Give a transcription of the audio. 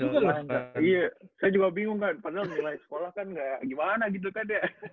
saya juga bingung kan padahal nilai sekolah kan gimana gitu kan ya